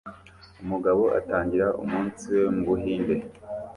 Umugabo atangira umunsi we mubuhinde